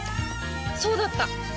そうだった！